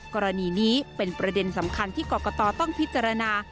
กรณีนี้เป็นประเด็นสำคัญที่กรกตต้องพิจารณา